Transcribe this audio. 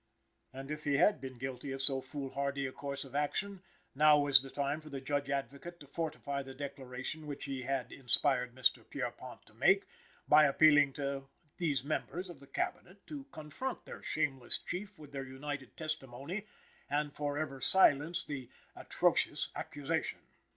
And if he had been guilty of so foolhardy a course of action, now was the time for the Judge Advocate to fortify the declaration which he had inspired Mr. Pierrepont to make, by appealing to these members of the Cabinet to confront their shameless chief with their united testimony, and forever silence the "atrocious accusation."